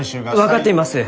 分かっています！